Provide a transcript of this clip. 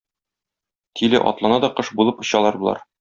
Тиле атлана да кош булып очалар болар.